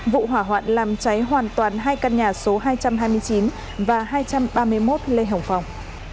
vụ hỏa hoạn làm cháy hoàn toàn hai căn nhà số hai trăm hai mươi chín và hai trăm ba mươi một lê hồng phong